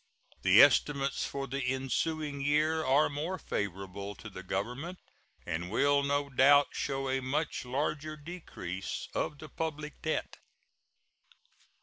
The estimates for the ensuing year are more favorable to the Government, and will no doubt show a much larger decrease of the public debt.